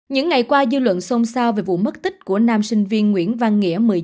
những ngày qua dư luận sông sao về vụ mất tích của nam sinh viên nguyễn văn nghĩa